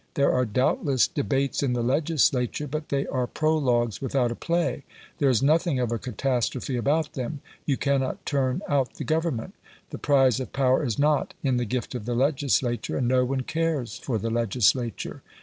There are doubtless debates in the legislature, but they are prologues without a play. There is nothing of a catastrophe about them; you can not turn out the Government. The prize of power is not in the gift of the legislature, and no one cares for the legislature.